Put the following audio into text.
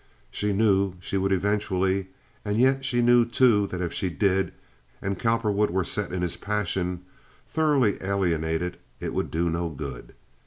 She knew she would eventually; and yet she knew, too, that if she did, and Cowperwood were set in his passion, thoroughly alienated, it would do no good.